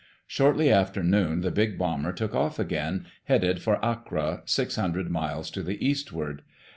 Shortly after noon the big bomber took off again, headed for Accra, six hundred miles to the eastward.